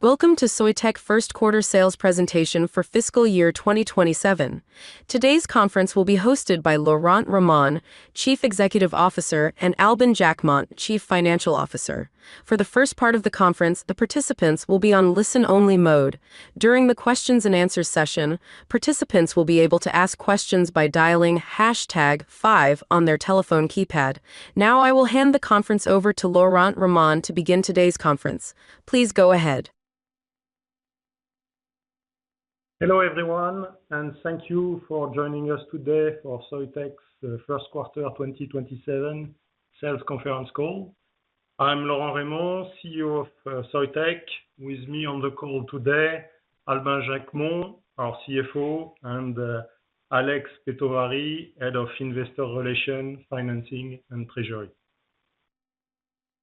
Welcome to Soitec first quarter sales presentation for FY 2027. Today's conference will be hosted by Laurent Rémont, Chief Executive Officer, and Albin Jacquemont, Chief Financial Officer. For the first part of the conference, the participants will be on listen-only mode. During the questions and answers session, participants will be able to ask questions by dialing five on their telephone keypad. Now I will hand the conference over to Laurent Rémont to begin today's conference. Please go ahead. Hello, everyone, and thank you for joining us today for Soitec's first quarter 2027 sales conference call. I'm Laurent Rémont, Chief Executive Officer of Soitec. With me on the call today, Albin Jacquemont, our Chief Financial Officer, and Alex Petovari, Head of Investor Relations, Financing and Treasury.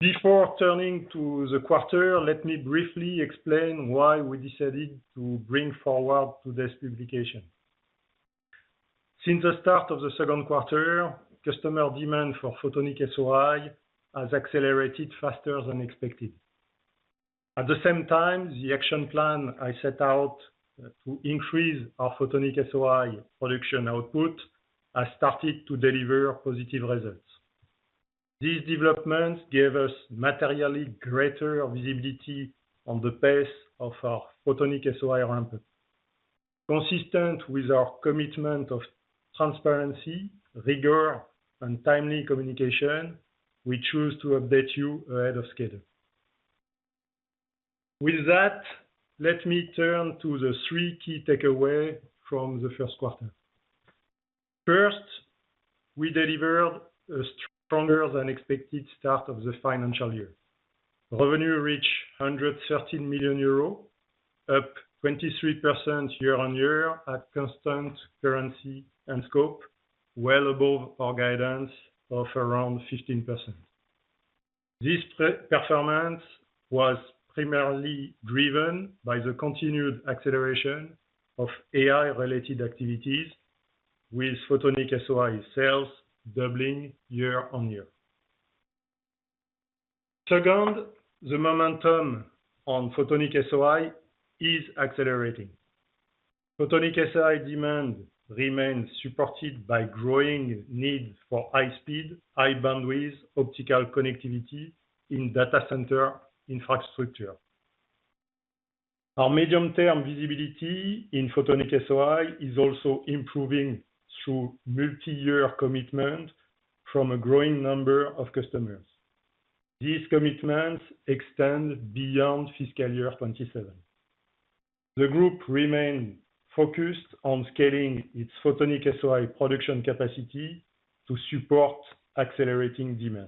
Before turning to the quarter, let me briefly explain why we decided to bring forward today's communication. Since the start of the second quarter, customer demand for Photonic SOI has accelerated faster than expected. At the same time, the action plan I set out to increase our Photonic SOI production output has started to deliver positive results. These developments gave us materially greater visibility on the pace of our Photonic SOI ramp. Consistent with our commitment of transparency, rigor, and timely communication, we choose to update you ahead of schedule. With that, let me turn to the three key takeaway from the first quarter. First, we delivered a stronger-than-expected start of the financial year. Revenue reached 113 million euros, up 23% year-on-year at constant currency and scope, well above our guidance of around 15%. This performance was primarily driven by the continued acceleration of AI-related activities with Photonic SOI sales doubling year-on-year. Second, the momentum on Photonic SOI is accelerating. Photonic SOI demand remains supported by growing need for high-speed, high-bandwidth, optical connectivity in data center infrastructure. Our medium-term visibility in Photonic SOI is also improving through multi-year commitment from a growing number of customers. These commitments extend beyond FY 2027. The group remain focused on scaling its Photonic SOI production capacity to support accelerating demand.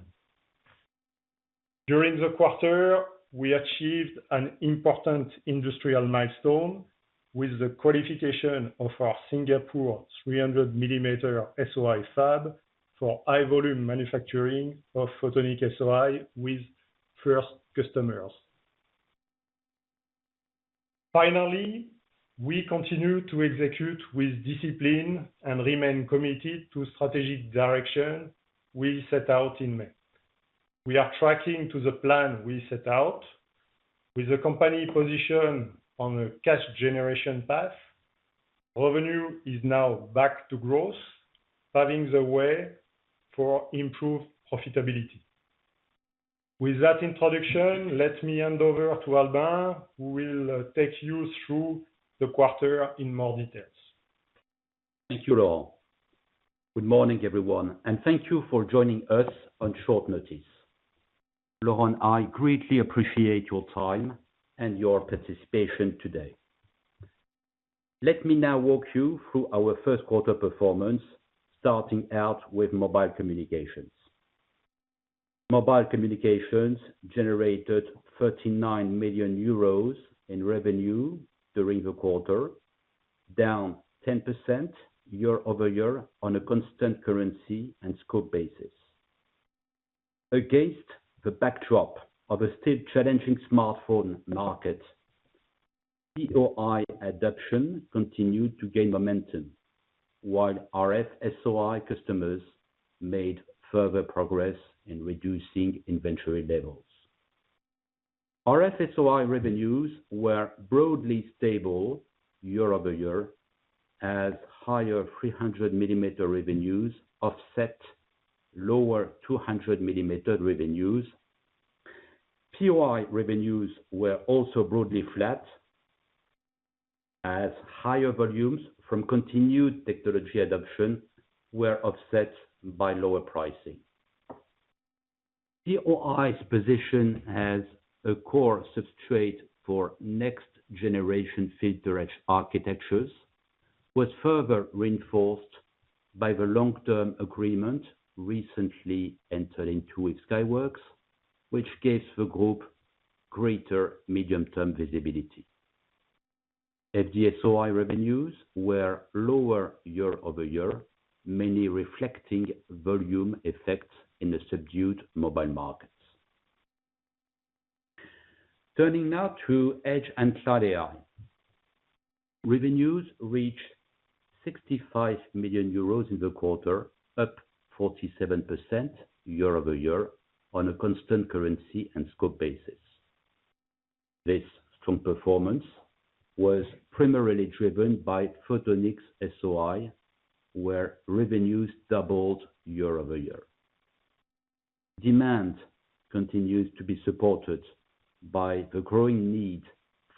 During the quarter, we achieved an important industrial milestone with the qualification of our Singapore 300-millimeter SOI fab for high-volume manufacturing of Photonic SOI with first customers. Finally, we continue to execute with discipline and remain committed to strategic direction we set out in May. We are tracking to the plan we set out with the company position on a cash generation path. Revenue is now back to growth, paving the way for improved profitability. With that introduction, let me hand over to Albin, who will take you through the quarter in more details. Thank you, Laurent. Good morning, everyone, and thank you for joining us on short notice. Laurent, I greatly appreciate your time and your participation today. Let me now walk you through our first quarter performance, starting out with Mobile Communications. Mobile Communications generated 39 million euros in revenue during the quarter, down 10% year-over-year on a constant currency and scope basis. Against the backdrop of a still challenging smartphone market, POI adoption continued to gain momentum, while RF-SOI customers made further progress in reducing inventory levels. RF-SOI revenues were broadly stable year-over-year as higher 300mm revenues offset lower 200mm revenues. POI revenues were also broadly flat as higher volumes from continued technology adoption were offset by lower pricing. POI's position as a core substrate for next generation filter architectures was further reinforced by the long-term agreement recently entered into with Skyworks, which gives the group greater medium-term visibility. FD-SOI revenues were lower year-over-year, mainly reflecting volume effects in the subdued mobile markets. Turning now to Edge & Cloud AI. Revenues reached 65 million euros in the quarter, up 47% year-over-year on a constant currency and scope basis. This strong performance was primarily driven by Photonics-SOI, where revenues doubled year-over-year. Demand continues to be supported by the growing need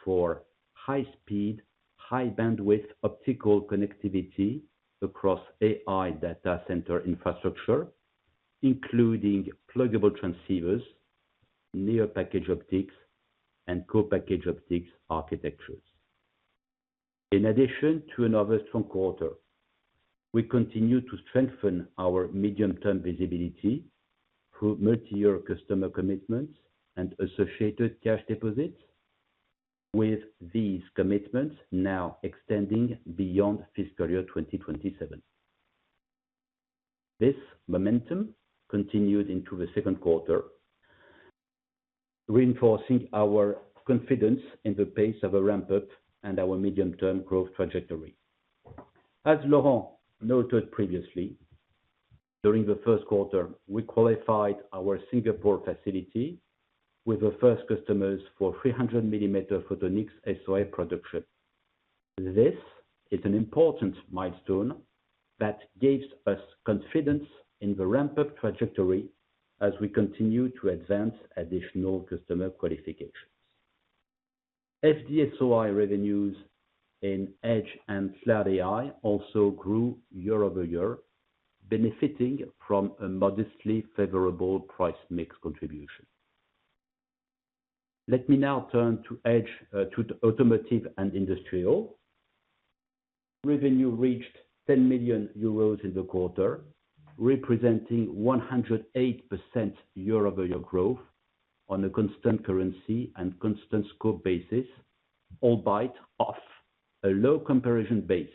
for high speed, high bandwidth optical connectivity across AI data center infrastructure, including pluggable transceivers, near package optics, and co-package optics architectures. In addition to another strong quarter, we continue to strengthen our medium-term visibility through multi-year customer commitments and associated cash deposits, with these commitments now extending beyond fiscal year 2027. This momentum continued into the second quarter, reinforcing our confidence in the pace of a ramp-up and our medium-term growth trajectory. As Laurent noted previously, during the first quarter, we qualified our Singapore facility with the first customers for 300mm Photonics-SOI production. This is an important milestone that gives us confidence in the ramp-up trajectory as we continue to advance additional customer qualifications. FD-SOI revenues in Edge & Cloud AI also grew year-over-year, benefiting from a modestly favorable price mix contribution. Let me now turn to Automotive & Industrial. Revenue reached 10 million euros in the quarter, representing 108% year-over-year growth on a constant currency and constant scope basis, albeit off a low comparison base.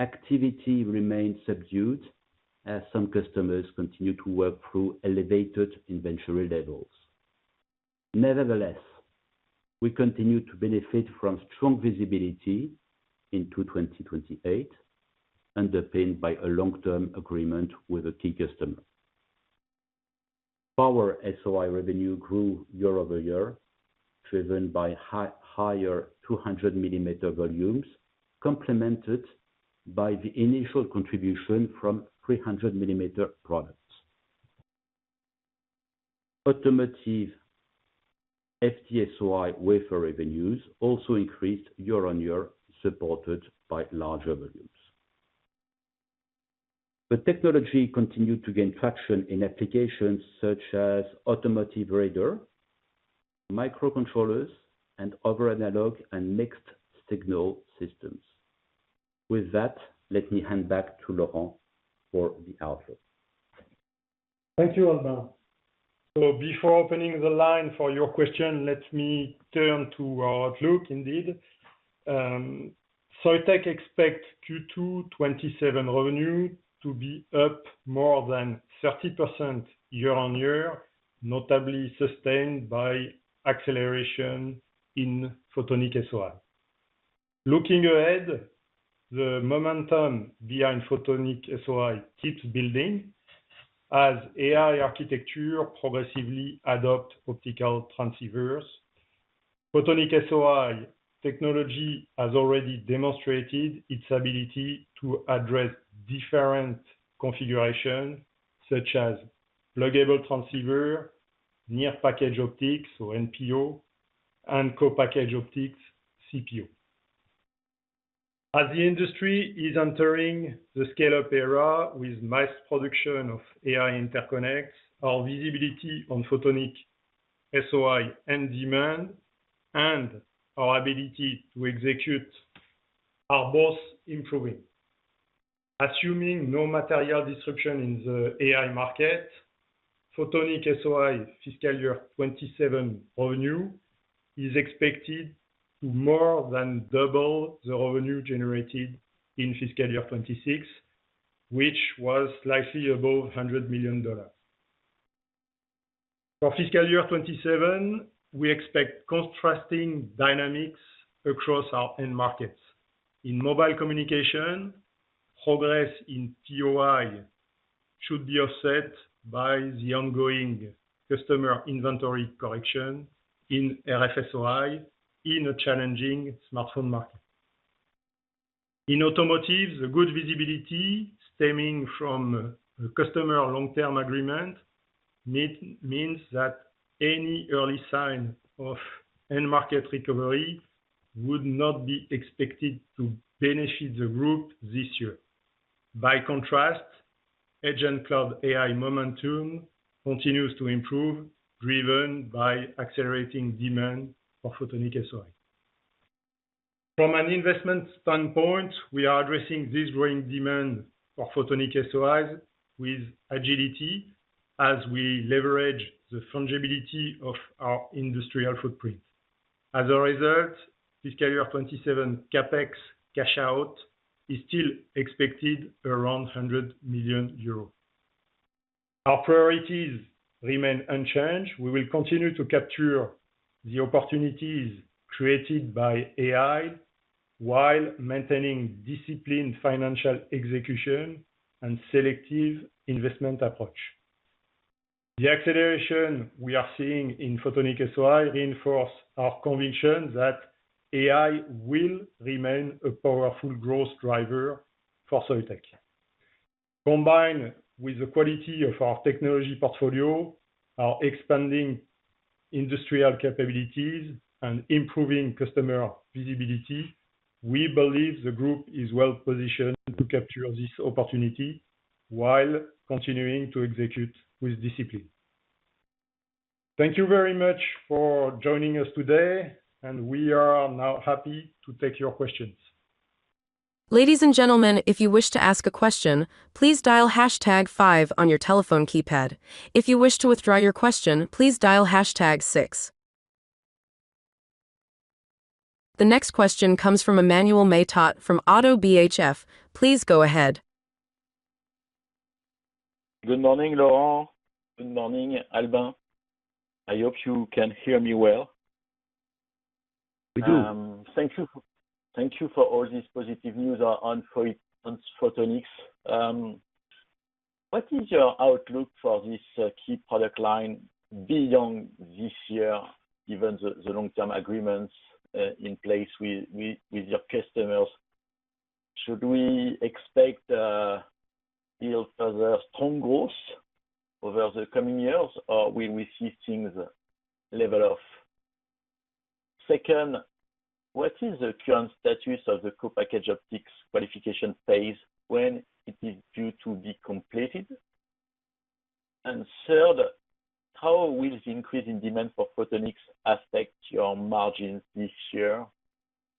Activity remains subdued as some customers continue to work through elevated inventory levels. Nevertheless, we continue to benefit from strong visibility into 2028, underpinned by a long-term agreement with a key customer. Power-SOI revenue grew year-over-year, driven by higher 200mm volumes, complemented by the initial contribution from 300mm products. Automotive FD-SOI wafer revenues also increased year-on-year, supported by larger volumes. The technology continued to gain traction in applications such as automotive radar, microcontrollers, and other analog and mixed signal systems. With that, let me hand back to Laurent for the outlook. Thank you, Albin. Before opening the line for your question, let me turn to our outlook indeed. Soitec expects Q2 2027 revenue to be up more than 30% year-on-year, notably sustained by acceleration in Photonic SOI. Looking ahead, the momentum behind Photonic SOI keeps building as AI architecture progressively adopt optical transceivers. Photonic SOI technology has already demonstrated its ability to address different configurations such as pluggable transceiver, near package optics or NPO, and co-package optics, CPO. As the industry is entering the scale-up era with mass production of AI interconnects, our visibility on Photonic SOI end demand, and our ability to execute are both improving. Assuming no material disruption in the AI market, Photonic SOI fiscal year 2027 revenue is expected to more than double the revenue generated in fiscal year 2026, which was slightly above $100 million. For fiscal year 2027, we expect contrasting dynamics across our end markets. In Mobile Communications, progress in POI should be offset by the ongoing customer inventory correction in RF-SOI in a challenging smartphone market. In Automotive, the good visibility stemming from the customer long-term agreement means that any early sign of end market recovery would not be expected to benefit the group this year. By contrast, Edge & Cloud AI momentum continues to improve, driven by accelerating demand for Photonic SOI. From an investment standpoint, we are addressing this growing demand for Photonic SOI with agility as we leverage the fungibility of our industrial footprint. As a result, fiscal year 2027 CapEx cash out is still expected around 100 million euros. Our priorities remain unchanged. We will continue to capture the opportunities created by AI while maintaining disciplined financial execution and selective investment approach. The acceleration we are seeing in Photonic SOI reinforce our conviction that AI will remain a powerful growth driver for Soitec. Combined with the quality of our technology portfolio, our expanding industrial capabilities, and improving customer visibility, we believe the group is well positioned to capture this opportunity while continuing to execute with discipline. Thank you very much for joining us today. We are now happy to take your questions. Ladies and gentlemen, if you wish to ask a question, please dial five on your telephone keypad. If you wish to withdraw your question, please dial six. The next question comes from Emmanuel Mateu from Oddo BHF. Please go ahead. Good morning, Laurent Rémont. Good morning, Albin. I hope you can hear me well. We do. Thank you for all this positive news on photonics. What is your outlook for this key product line beyond this year, given the long-term agreements in place with your customers? Should we expect still further strong growth over the coming years, or will we see things level off? Second, what is the current status of the co-package optics qualification phase? When it is due to be completed? Third, how will the increase in demand for photonics affect your margins this year?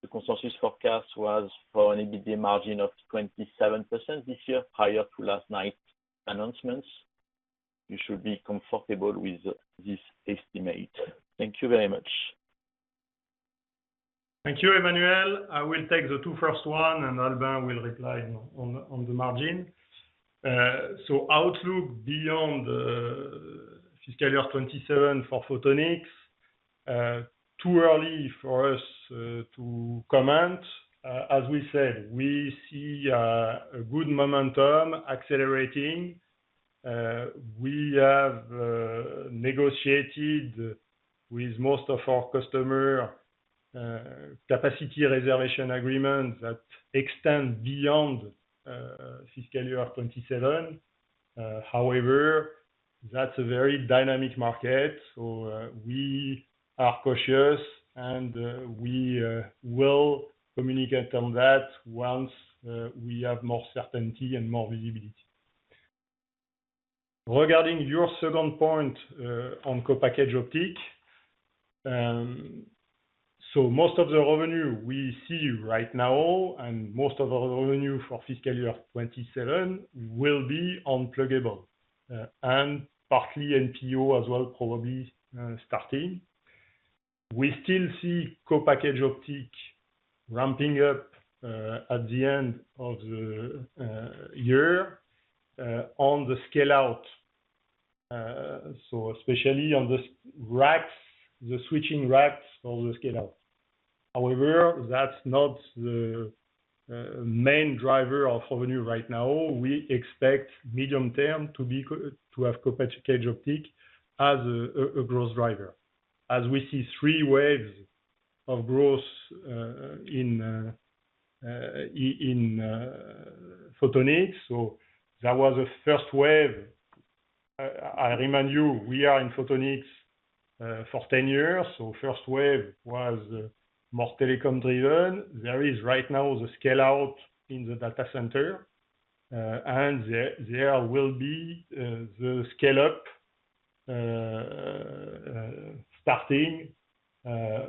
The consensus forecast was for an EBITDA margin of 27% this year, prior to last night's announcements. You should be comfortable with this estimate. Thank you very much. Thank you, Emmanuel. I will take the two first one. Albin will reply on the margin. Outlook beyond the fiscal year 2027 for photonics, too early for us to comment. As we said, we see a good momentum accelerating. We have negotiated with most of our customer capacity reservation agreements that extend beyond fiscal year 2027. However, that's a very dynamic market. We are cautious, and we will communicate on that once we have more certainty and more visibility. Regarding your second point on co-package optic. Most of the revenue we see right now, and most of our revenue for fiscal year 2027 will be on pluggable and partly NPO as well, probably starting. We still see co-package optic ramping up at the end of the year on the scale-out. Especially on the switching racks on the scale-out. However, that's not the main driver of revenue right now. We expect medium term to have co-package optic as a growth driver, as we see three waves of growth in photonics. That was the first wave. I remind you, we are in photonics for 10 years. First wave was more telecom-driven. There is right now the scale-out in the data center, and there will be the scale-up starting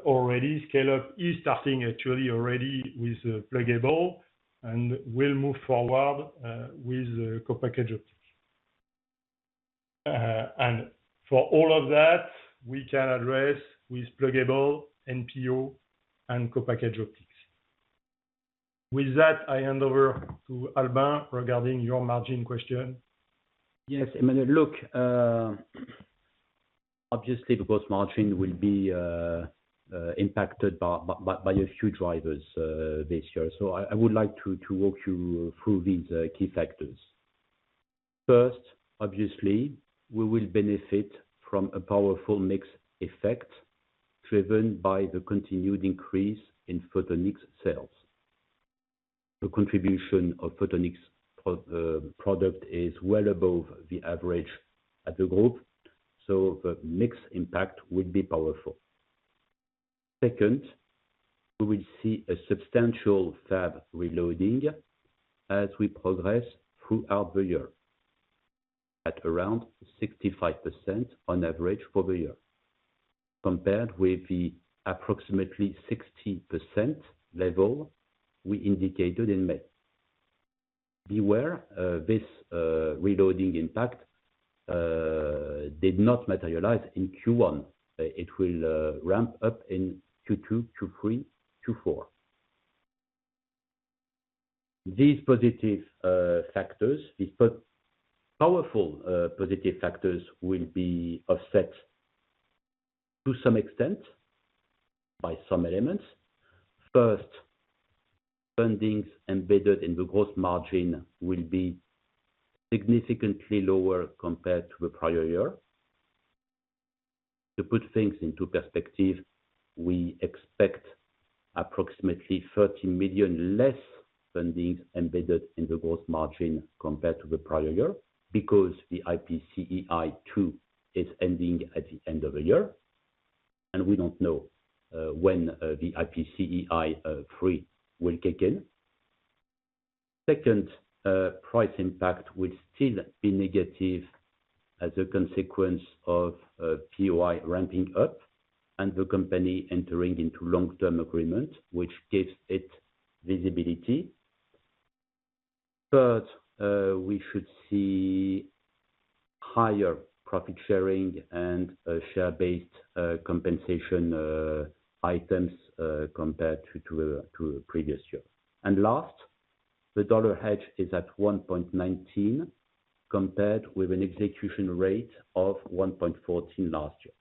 already. Scale-up is starting actually already with pluggable and will move forward with co-package optic. For all of that, we can address with pluggable, NPO and co-package optics. With that, I hand over to Albin regarding your margin question. Yes, Emmanuel. Look, obviously, the gross margin will be impacted by a few drivers this year. I would like to walk you through these key factors. First, obviously, we will benefit from a powerful mix effect driven by the continued increase in photonics sales. The contribution of photonics product is well above the average at the group, so the mix impact will be powerful. Second, we will see a substantial fab reloading as we progress throughout the year, at around 65% on average for the year, compared with the approximately 60% level we indicated in May. Beware, this reloading impact did not materialize in Q1. It will ramp up in Q2, Q3, Q4. These positive factors, these powerful positive factors will be offset to some extent by some elements. First, fundings embedded in the gross margin will be significantly lower compared to the prior year. To put things into perspective, we expect approximately 30 million less fundings embedded in the gross margin compared to the prior year, because the IPCEI-II is ending at the end of the year, and we don't know when the IPCEI-III will kick in. Second, price impact will still be negative as a consequence of POI ramping up and the company entering into long-term agreement, which gives it visibility. Third, we should see higher profit sharing and share-based compensation items compared to previous year. Last, the dollar hedge is at 1.19 compared with an execution rate of 1.14 last year.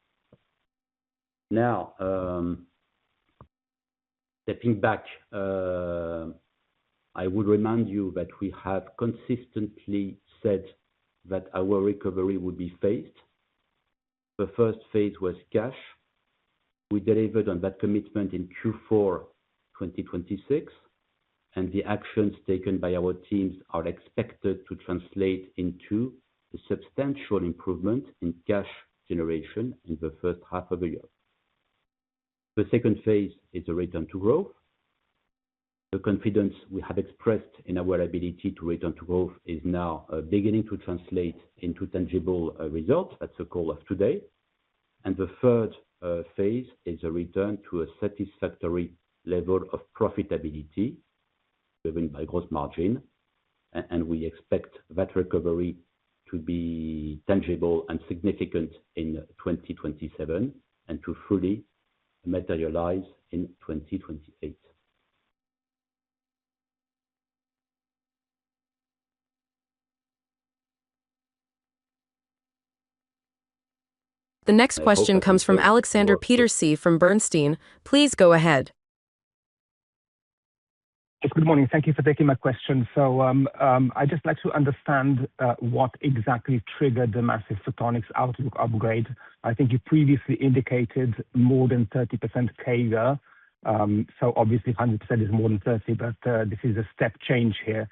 Stepping back, I would remind you that we have consistently said that our recovery would be phased. The first phase was cash. We delivered on that commitment in Q4 2026, and the actions taken by our teams are expected to translate into a substantial improvement in cash generation in the first half of the year. The second phase is a return to growth. The confidence we have expressed in our ability to return to growth is now beginning to translate into tangible results at the call of today. The third phase is a return to a satisfactory level of profitability driven by gross margin, and we expect that recovery to be tangible and significant in 2027 and to fully materialize in 2028. The next question comes from Alexander Pieterse from Bernstein. Please go ahead. Yes, good morning. Thank you for taking my question. I'd just like to understand what exactly triggered the massive Photonics outlook upgrade. I think you previously indicated more than 30% CAGR. Obviously 100% is more than 30, but this is a step change here.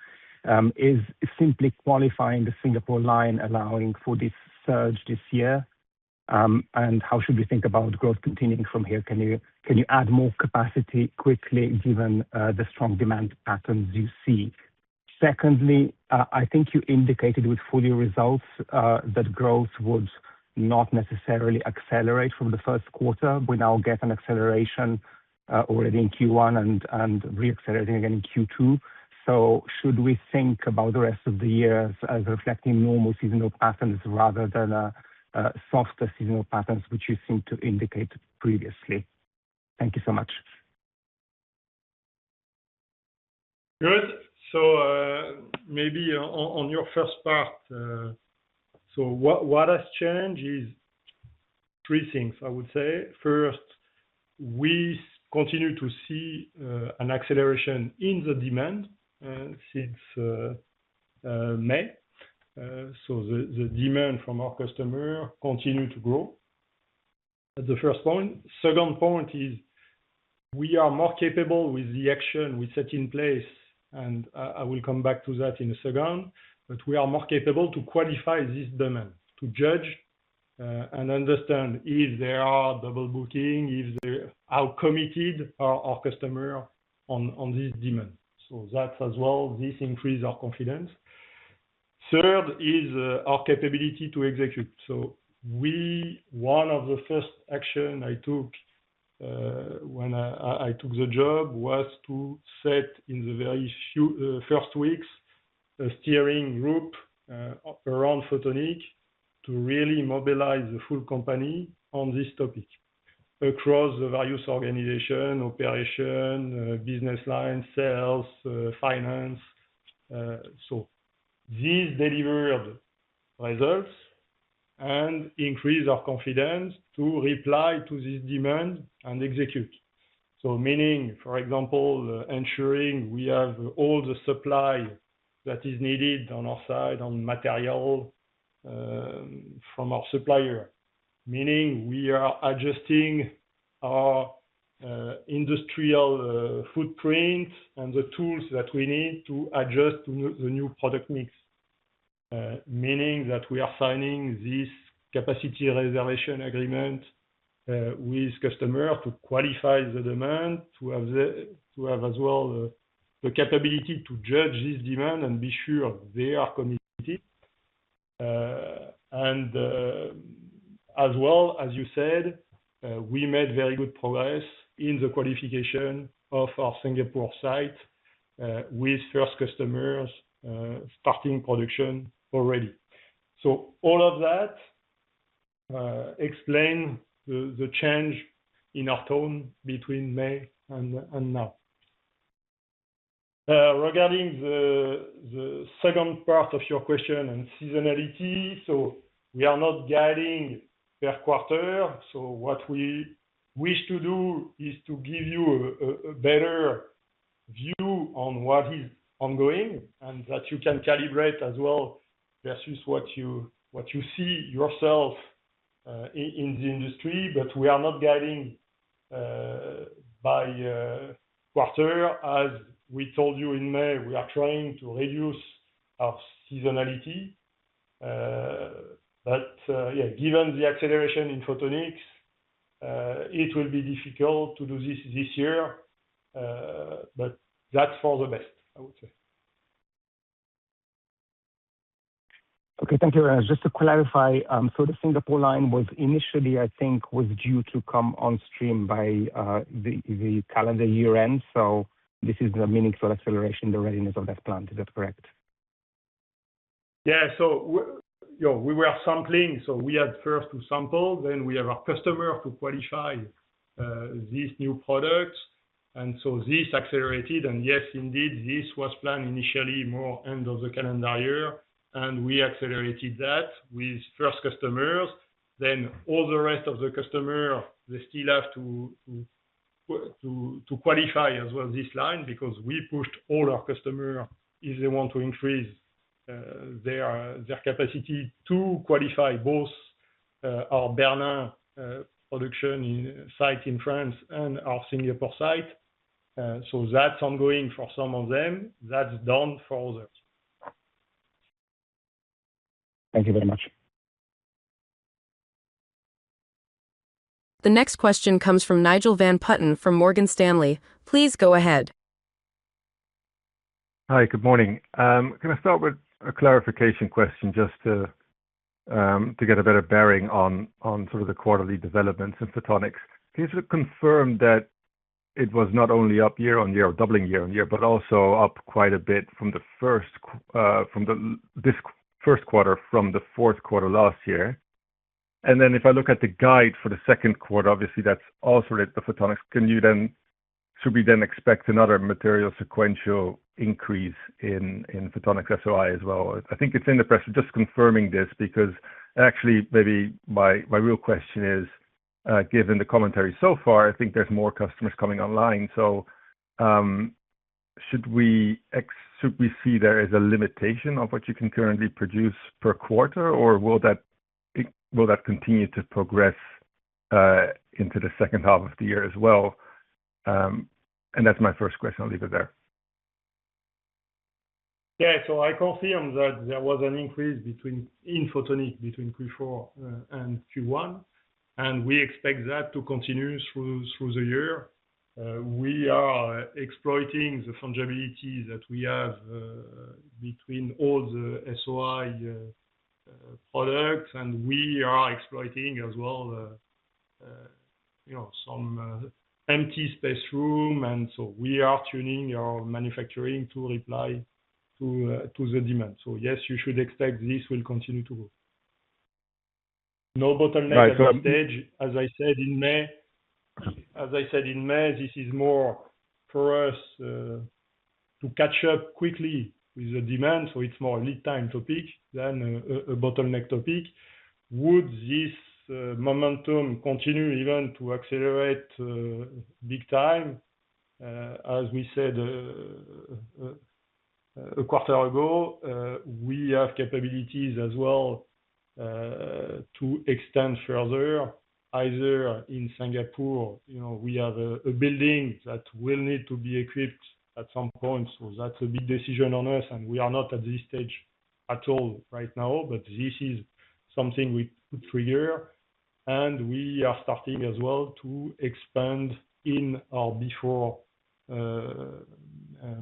Is simply qualifying the Singapore line allowing for this surge this year? How should we think about growth continuing from here? Can you add more capacity quickly given the strong demand patterns you see? Secondly, I think you indicated with full-year results, that growth would not necessarily accelerate from the first quarter. We now get an acceleration already in Q1 and re-accelerating again in Q2. Should we think about the rest of the year as reflecting normal seasonal patterns rather than softer seasonal patterns, which you seemed to indicate previously? Thank you so much. Good. Maybe on your first part. What has changed is three things, I would say. First, we continue to see an acceleration in the demand since May. The demand from our customer continue to grow. That's the first point. Second point is we are more capable with the action we set in place, and I will come back to that in a second. We are more capable to qualify this demand, to judge and understand if there are double booking, how committed are our customer on this demand. That as well, this increase our confidence. Third is our capability to execute. One of the first action I took when I took the job was to set, in the very first weeks, a steering group around Photonics to really mobilize the full company on this topic across the various organization, operation, business line, sales, finance. This deliver of results and increase our confidence to reply to this demand and execute. Meaning, for example, ensuring we have all the supply that is needed on our side on material from our supplier, meaning we are adjusting our industrial footprint and the tools that we need to adjust the new product mix. Meaning that we are signing this capacity reservation agreement with customer to qualify the demand, to have as well the capability to judge this demand and be sure they are committed. As well as you said, we made very good progress in the qualification of our Singapore site, with first customers starting production already. All of that explain the change in our tone between May and now. Regarding the second part of your question on seasonality, we are not guiding per quarter. What we wish to do is to give you a better view on what is ongoing, that you can calibrate as well versus what you see yourself in the industry. We are not guiding by quarter. As we told you in May, we are trying to reduce our seasonality. Given the acceleration in photonics, it will be difficult to do this year. That's for the best, I would say. Okay. Thank you. Just to clarify, the Singapore line was initially, I think, was due to come on stream by the calendar year-end. This is a meaningful acceleration, the readiness of that plant. Is that correct? We were sampling. We had first to sample, we have our customer to qualify these new products. This accelerated and yes, indeed, this was planned initially more end of the calendar year, and we accelerated that with first customers. All the rest of the customer, they still have to qualify as well this line because we pushed all our customer if they want to increase their capacity to qualify both our Bernin production site in France and our Singapore site. That's ongoing for some of them. That's done for others. Thank you very much. The next question comes from Nigel van Putten from Morgan Stanley. Please go ahead. Hi. Good morning. Can I start with a clarification question just to get a better bearing on sort of the quarterly developments in photonics? Can you confirm that it was not only up year-over-year or doubling year-over-year but also up quite a bit from this first quarter from the fourth quarter last year? If I look at the guide for the second quarter, obviously, that's also the photonics. Should we then expect another material sequential increase in Photonics-SOI as well? I think it's in the press. Just confirming this because actually, maybe my real question is, given the commentary so far, I think there's more customers coming online. Should we see there as a limitation of what you can currently produce per quarter, or will that continue to progress into the second half of the year as well? That's my first question. I'll leave it there. Yeah. I confirm that there was an increase in photonics between Q4 and Q1, and we expect that to continue through the year. We are exploiting the fungibility that we have between all the SOI products, and we are exploiting as well some empty space room. We are tuning our manufacturing to reply to the demand. Yes, you should expect this will continue to grow. No bottleneck at this stage. As I said in May, this is more for us to catch up quickly with the demand. It's more lead time to peak than a bottleneck to peak. Would this momentum continue even to accelerate big time? As we said a quarter ago, we have capabilities as well to extend further either in Singapore. We have a building that will need to be equipped at some point. That's a big decision on us, and we are not at this stage at all right now. This is something we could trigger, and we are starting as well to expand in our V4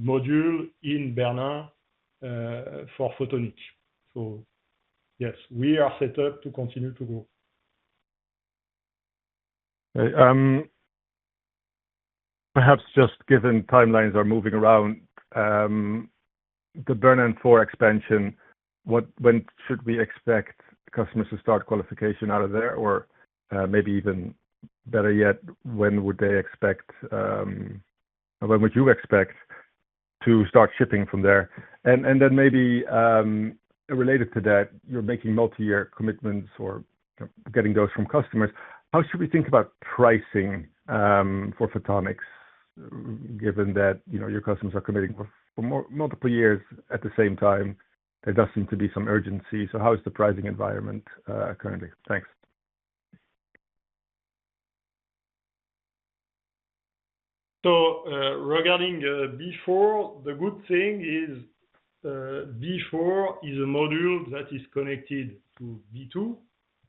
module in Bernin for Photonics. Yes, we are set up to continue to grow. Perhaps just given timelines are moving around, the Bernin V4 expansion, when should we expect customers to start qualification out of there? Maybe even better yet, when would you expect to start shipping from there? Maybe, related to that, you are making multi-year commitments or getting those from customers. How should we think about pricing for Photonics given that your customers are committing for multiple years at the same time? There does seem to be some urgency. How is the pricing environment currently? Thanks. Regarding V4, the good thing is V4 is a module that is connected to V2,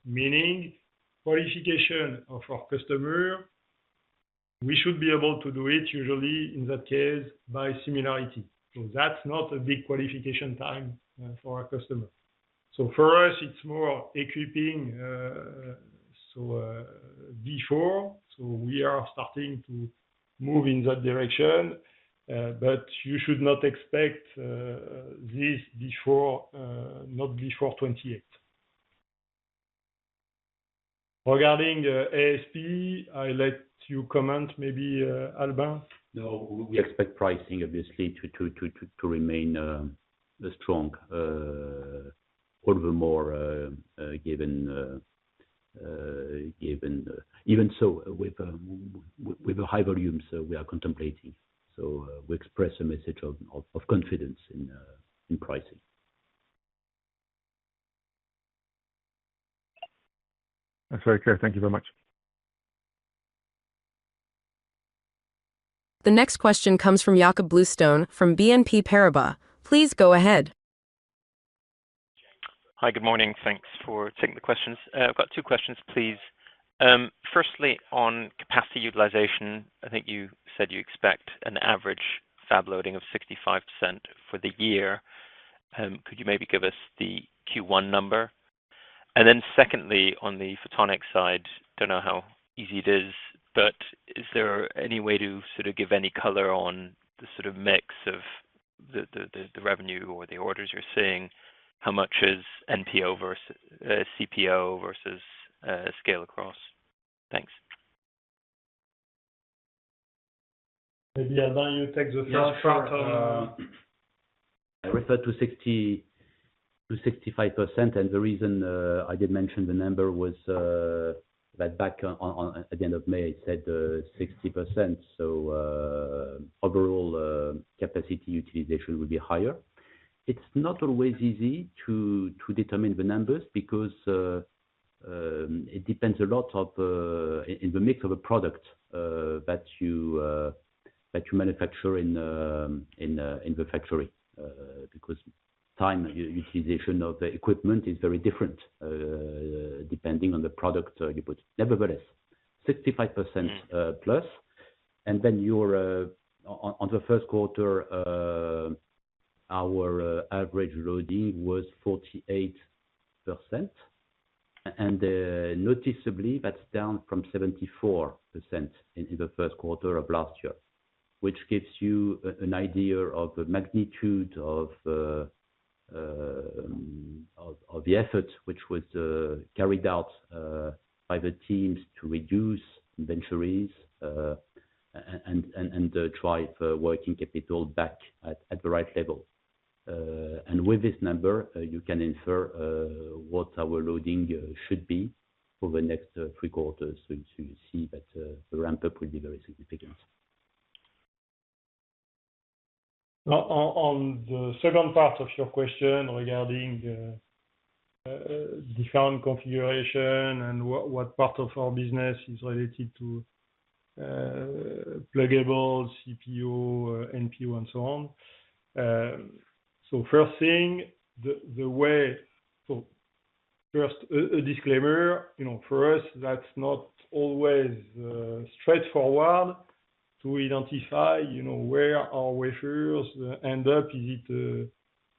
meaning qualification of our customer, we should be able to do it usually in that case by similarity. That's not a big qualification time for our customer. For us, it is more V4. We are starting to move in that direction, but you should not expect this V4, not V4.28. Regarding ASP, I let you comment maybe, Albin. No, we expect pricing obviously to remain strong. All the more, even so, with the high volumes we are contemplating. We express a message of confidence in pricing. That's very clear. Thank you very much. The next question comes from Jakob Bluestone from BNP Paribas. Please go ahead. Hi. Good morning. Thanks for taking the questions. I've got two questions, please. Firstly, on capacity utilization, I think you said you expect an average fab loading of 65% for the year. Could you maybe give us the Q1 number? Secondly, on the photonic side, don't know how easy it is, but is there any way to sort of give any color on the sort of mix of the revenue or the orders you're seeing, how much is NPO versus CPO versus scale across? Thanks. Maybe Albin, you take the first part. Yeah, sure. I referred to 65%. The reason I did mention the number was that back at the end of May, I said 60%. Overall capacity utilization will be higher. It's not always easy to determine the numbers because it depends a lot of in the mix of a product that you manufacture in the factory. Time utilization of the equipment is very different, depending on the product you put. Nevertheless, 65% plus. On the first quarter, our average loading was 48%. Noticeably, that's down from 74% into the first quarter of last year, which gives you an idea of the magnitude of the effort, which was carried out by the teams to reduce inventories, and drive working capital back at the right level. With this number, you can infer what our loading should be for the next three quarters to see that the ramp-up will be very significant. On the second part of your question regarding different configuration and what part of our business is related to plugables, CPO, NPO and so on. First thing, a disclaimer. For us, that's not always straightforward to identify where our wafers end up. Is it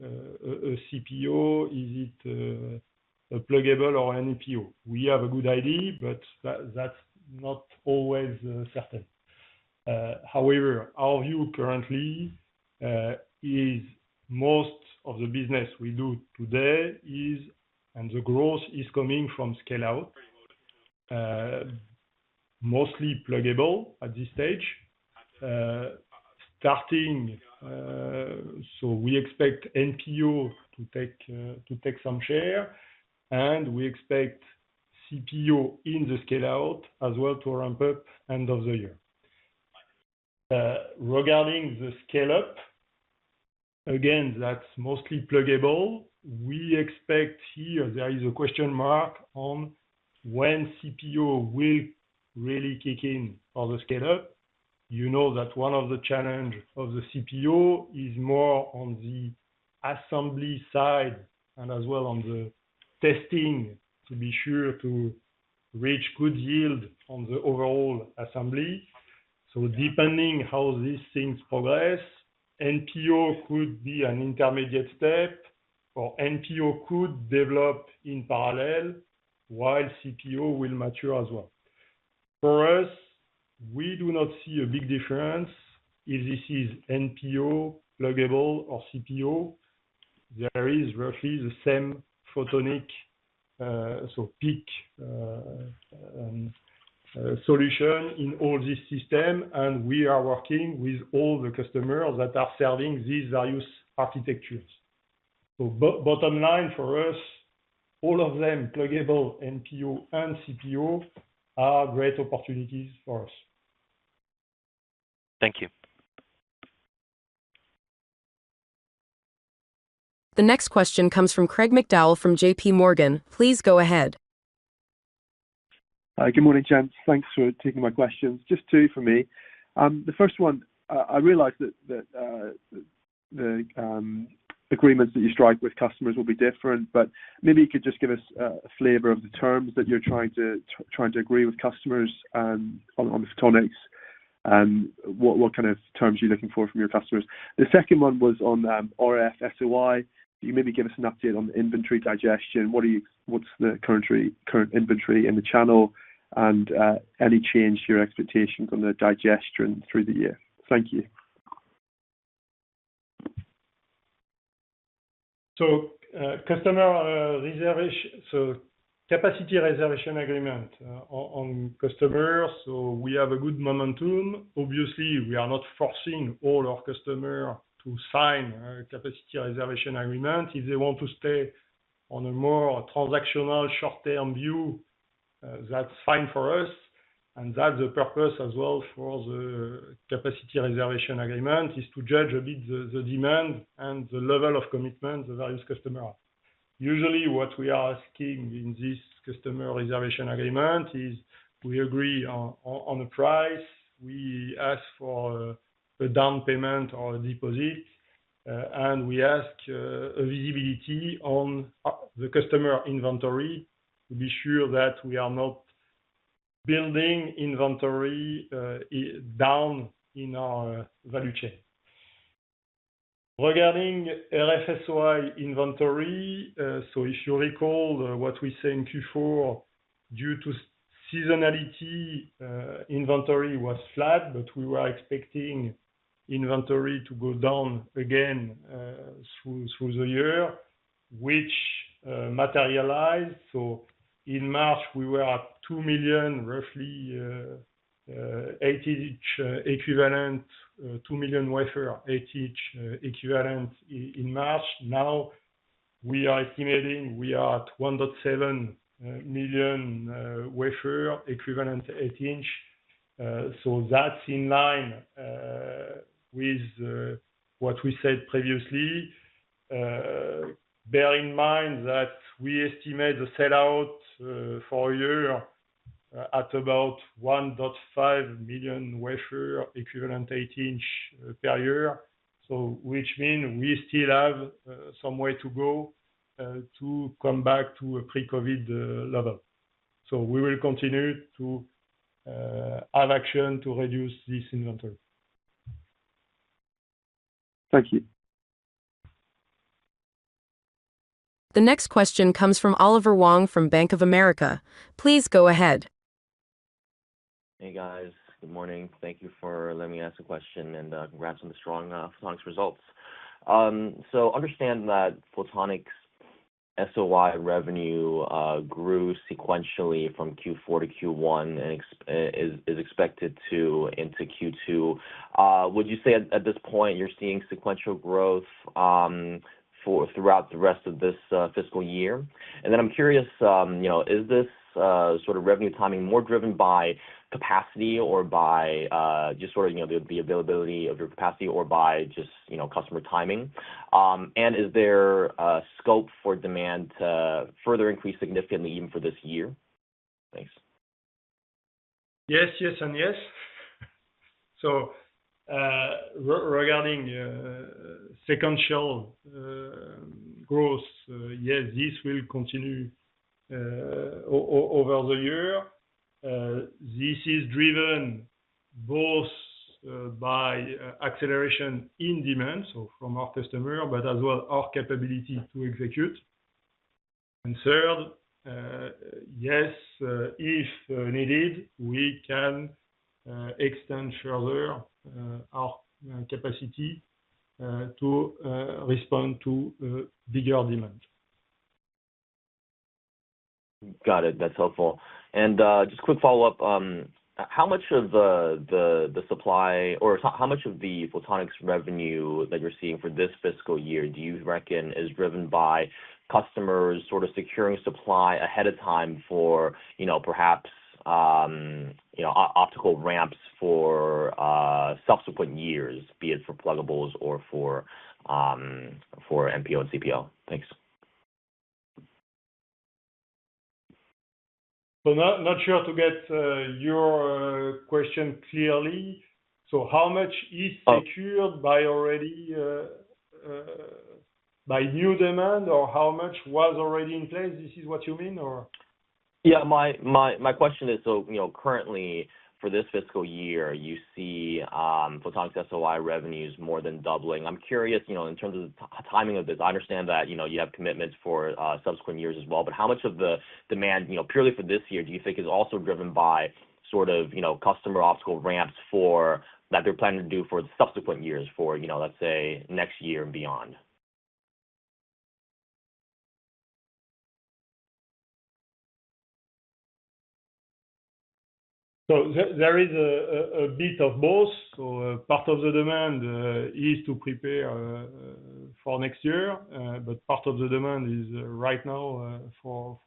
a CPO? Is it a plugable or NPO? We have a good idea, but that's not always certain. However, our view currently is most of the business we do today is, and the growth is coming from scale-out. Mostly plugable at this stage. We expect NPO to take some share, and we expect CPO in the scale-out as well to ramp up end of the year. Regarding the scale-up, again, that's mostly plugable. We expect here there is a question mark on when CPO will really kick in on the scale-up. You know that one of the challenge of the CPO is more on the assembly side and as well on the testing to be sure to reach good yield on the overall assembly. Depending how these things progress, NPO could be an intermediate step, or NPO could develop in parallel while CPO will mature as well. For us, we do not see a big difference if this is NPO, plugable or CPO. There is roughly the same photonic SOI solution in all this system. We are working with all the customers that are selling these various architectures. Bottom line for us, all of them, plugable, NPO and CPO, are great opportunities for us. Thank you. The next question comes from Craig McDowell from JP Morgan. Please go ahead. Hi. Good morning, gents. Thanks for taking my questions. Just two for me. The first one, I realize that the agreements that you strike with customers will be different, but maybe you could just give us a flavor of the terms that you're trying to agree with customers on the Photonics. What kind of terms are you looking for from your customers? The second one was on RF-SOI. Can you maybe give us an update on the inventory digestion? What's the current inventory in the channel and any change to your expectations on the digestion through the year? Thank you. Capacity reservation agreement on customers. We have a good momentum. Obviously, we are not forcing all our customer to sign a capacity reservation agreement. If they want to stay on a more transactional short-term view, that's fine for us. That's the purpose as well for the capacity reservation agreement, is to judge a bit the demand and the level of commitment of the various customer. Usually what we are asking in this capacity reservation agreement is we agree on the price. We ask for a down payment or a deposit. We ask visibility on the customer inventory to be sure that we are not building inventory, down in our value chain. Regarding RF-SOI inventory, if you recall what we say in Q4, due to seasonality, inventory was flat, but we were expecting inventory to go down again, through the year, which materialized. In March, we were at 2 million, roughly, 8-inch equivalent, 2 million wafer 8-inch equivalent in March. Now we are estimating we are at 1.7 million wafer equivalent 8-inch. That's in line with what we said previously. Bear in mind that we estimate the sell-out for a year at about 1.5 million wafer equivalent 8-inch per year. Which mean we still have some way to go, to come back to a pre-COVID level. We will continue to add action to reduce this inventory. Thank you. The next question comes from Oliver Wong from Bank of America. Please go ahead. Hey, guys. Good morning. Thank you for letting me ask a question, and congrats on the strong Photonics results. Understand that Photonics-SOI revenue grew sequentially from Q4 to Q1 and is expected to into Q2. Would you say at this point you're seeing sequential growth throughout the rest of this fiscal year? I'm curious, is this sort of revenue timing more driven by capacity or by just sort of the availability of your capacity or by just customer timing? Is there scope for demand to further increase significantly even for this year? Thanks. Yes, yes, and yes. Regarding sequential growth, yes, this will continue over the year. This is driven both by acceleration in demand, from our customer, but as well our capability to execute. Third, yes, if needed, we can extend further our capacity to respond to bigger demand. Got it. That's helpful. Just quick follow-up. How much of the supply, or how much of the Photonics revenue that you're seeing for this fiscal year do you reckon is driven by customers sort of securing supply ahead of time for perhaps, optical ramps for subsequent years, be it for pluggables or for MPO and CPO? Thanks. Not sure to get your question clearly. How much is secured by new demand or how much was already in place? This is what you mean, or? My question is, currently for this fiscal year, you see Photonics SOI revenues more than doubling. I am curious, in terms of the timing of this, I understand that you have commitments for subsequent years as well, how much of the demand purely for this year do you think is also driven by sort of customer optical ramps that they're planning to do for the subsequent years for let's say next year and beyond? There is a bit of both. Part of the demand is to prepare for next year. Part of the demand is right now for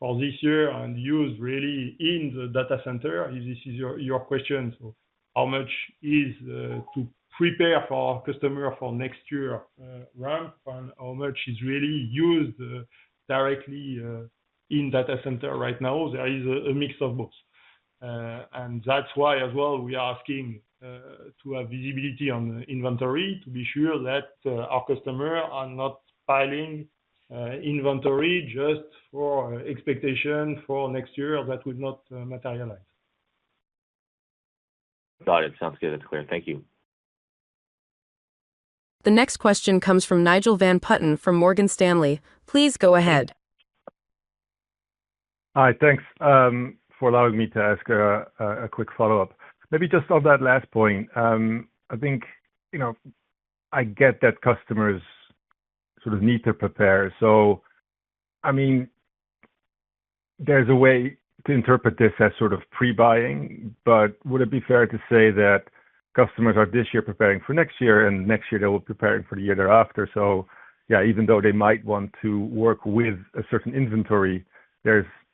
this year and used really in the data center. If this is your question, how much is to prepare for customer for next year ramp and how much is really used directly in data center right now? There is a mix of both. That's why as well we are asking to have visibility on inventory to be sure that our customer are not piling inventory just for expectation for next year that would not materialize. Got it. Sounds good. That's clear. Thank you. The next question comes from Nigel van Putten from Morgan Stanley. Please go ahead. Hi. Thanks for allowing me to ask a quick follow-up. Maybe just on that last point, I think, I get that customers sort of need to prepare. There's a way to interpret this as sort of pre-buying, would it be fair to say that customers are this year preparing for next year, and next year they will be preparing for the year thereafter? Even though they might want to work with a certain inventory,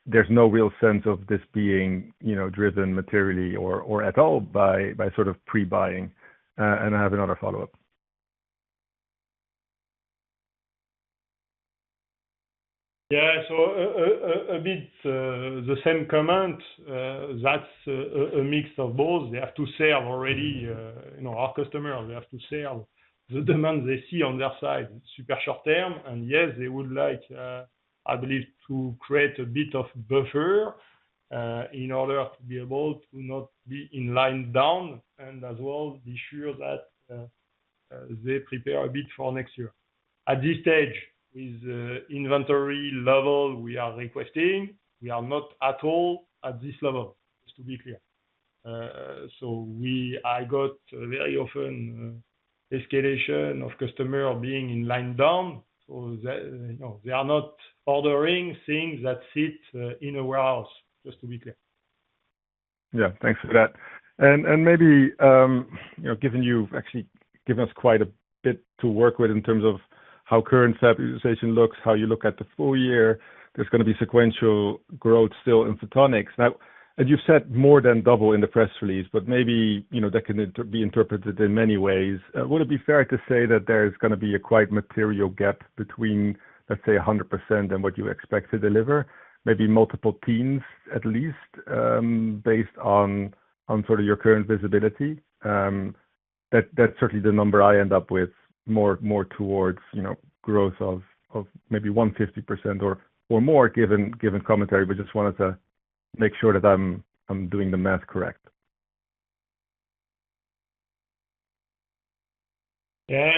there's no real sense of this being driven materially or at all by sort of pre-buying. I have another follow-up. Yeah. A bit the same comment, that's a mix of both. They have to sell already, our customers, they have to sell the demand they see on their side super short-term. Yes, they would like, I believe, to create a bit of buffer, in order to be able to not be in line down and as well be sure that they prepare a bit for next year. At this stage, with inventory level we are requesting, we are not at all at this level, just to be clear. I got very often escalation of customer being in line down. They are not ordering things that sit in a warehouse, just to be clear. Yeah. Thanks for that. Maybe, given you've actually given us quite a bit to work with in terms of how current fab utilization looks, how you look at the full year, there's going to be sequential growth still in photonics. As you've said, more than double in the press release, but maybe that can be interpreted in many ways. Would it be fair to say that there's going to be a quite material gap between, let's say, 100% and what you expect to deliver? Maybe multiple teens at least, based on sort of your current visibility? That's certainly the number I end up with, more towards growth of maybe 150% or more, given commentary. Just wanted to make sure that I'm doing the math correct. Yeah.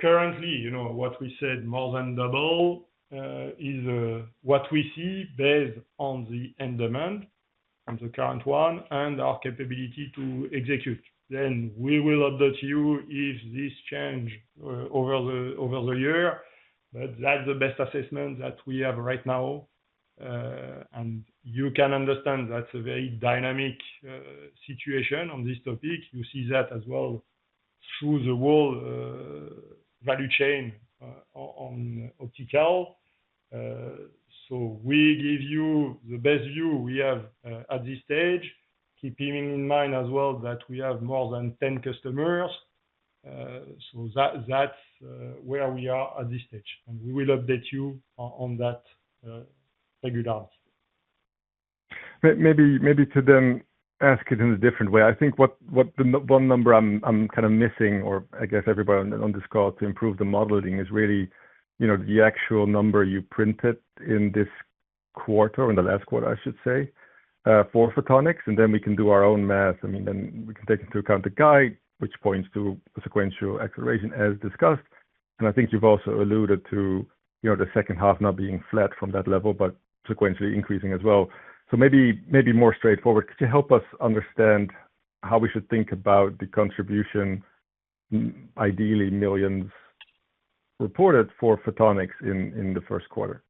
Currently, what we said, more than double, is what we see based on the end demand from the current one and our capability to execute. We will update you if this change over the year. That's the best assessment that we have right now. You can understand that's a very dynamic situation on this topic. You see that as well through the whole value chain on optical. We give you the best view we have at this stage. Keeping in mind as well that we have more than 10 customers. That's where we are at this stage, and we will update you on that regularly. Maybe to then ask it in a different way. I think what one number I'm kind of missing, or I guess everybody on this call to improve the modeling is really the actual number you printed in this quarter, or in the last quarter I should say, for Photonics, and then we can do our own math, and then we can take into account the guide, which points to sequential acceleration as discussed. I think you've also alluded to the second half not being flat from that level, but sequentially increasing as well. Maybe more straightforward. Could you help us understand how we should think about the contribution, ideally millions reported for Photonics in the first quarter?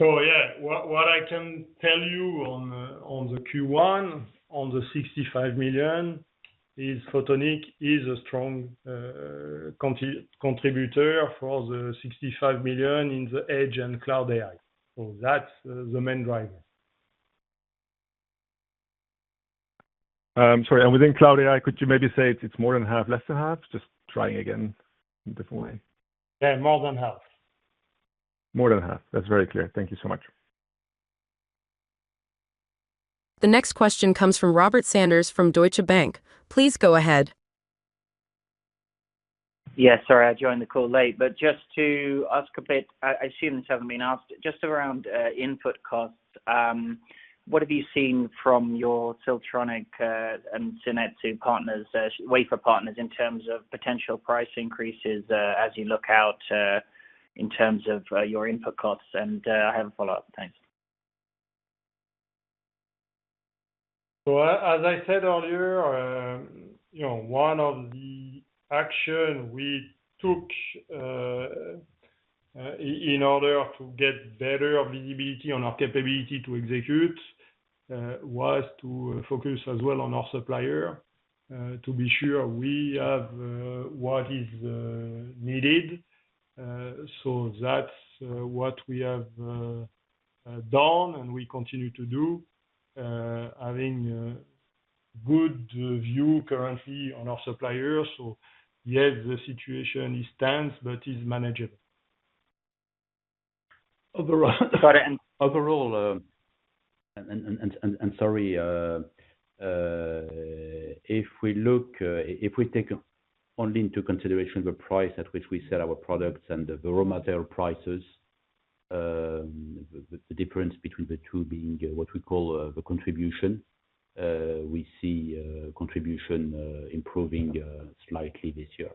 Yeah. What I can tell you on the Q1, on the 65 million, is Photonics is a strong contributor for the 65 million in the Edge & Cloud AI. That's the main driver. Sorry. Within Cloud AI, could you maybe say it's more than half, less than half? Just trying again in a different way. Yeah, more than half. More than half. That's very clear. Thank you so much. The next question comes from Robert Sanders from Deutsche Bank. Please go ahead. Yeah, sorry I joined the call late, just to ask a bit, I assume this haven't been asked, just around input costs. What have you seen from your Siltronic, and Shin-Etsu Handotai partners, wafer partners in terms of potential price increases, as you look out, in terms of your input costs? I have a follow-up. Thanks. As I said earlier, one of the action we took, in order to get better visibility on our capability to execute, was to focus as well on our supplier, to be sure we have what is needed. That's what we have done and we continue to do, having a good view currently on our suppliers. Yes, the situation is tense, but is manageable. Overall. Sorry. If we take only into consideration the price at which we sell our products and the raw material prices, the difference between the two being what we call the contribution. We see contribution improving slightly this year.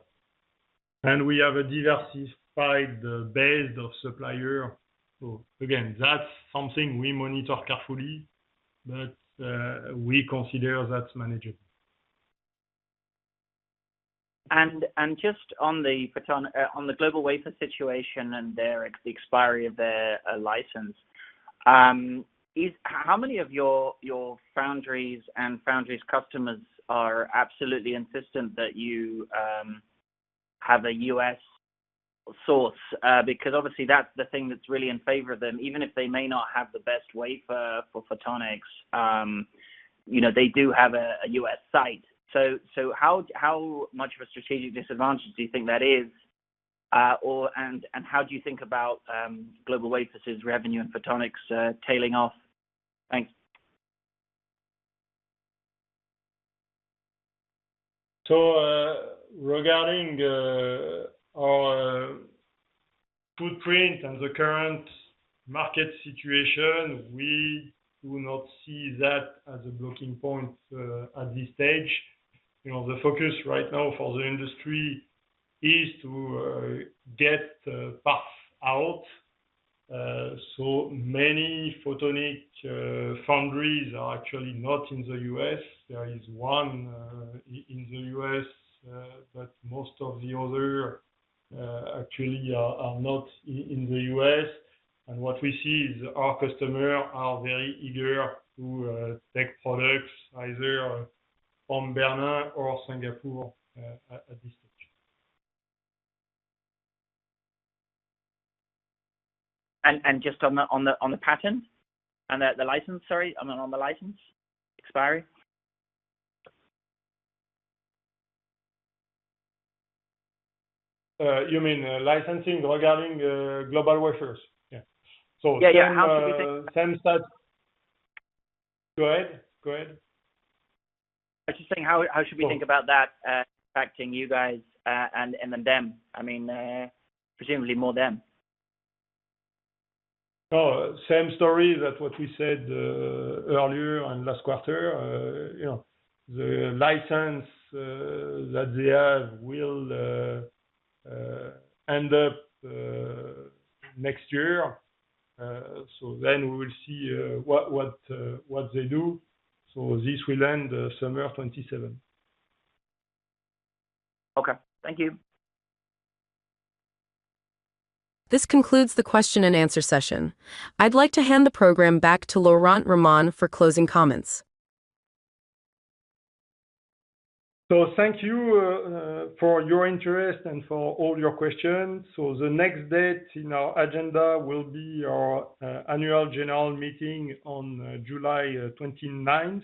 We have a diversified base of supplier. Again, that's something we monitor carefully, but we consider that managed. Just on the on the GlobalWafers situation and the expiry of their license. How many of your foundries and foundries customers are absolutely insistent that you have a U.S. source? Because obviously that's the thing that's really in favor of them. Even if they may not have the best wafer for photonics. They do have a U.S. site. How much of a strategic disadvantage do you think that is? How do you think about GlobalWafers' revenue and photonics tailing off? Thanks. Regarding our footprint and the current market situation, we do not see that as a blocking point at this stage. The focus right now for the industry is to get a path out. Many photonic foundries are actually not in the U.S. There is one in the U.S., but most of the other actually are not in the U.S. What we see is our customer are very eager to take products either from Bernin or Singapore at this stage. Just on the patent and the license, sorry. On the license expiry. You mean licensing regarding GlobalWafers? Yeah. Yeah. How should we think- Same set. Go ahead. I was just saying how should we think about that impacting you guys and then them? Presumably more them. Same story that what we said earlier on last quarter. The license that they have will end next year. We will see what they do. This will end summer 2027. Okay. Thank you. This concludes the question and answer session. I'd like to hand the program back to Laurent Rémont for closing comments. Thank you for your interest and for all your questions. The next date in our agenda will be our annual general meeting on July 29th.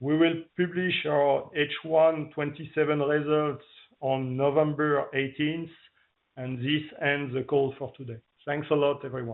We will publish our H1 2027 results on November 18th. This ends the call for today. Thanks a lot, everyone.